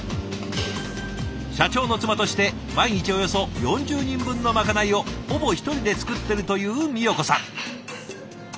社長の妻として毎日およそ４０人分のまかないをほぼ１人で作ってるというみよ子さん。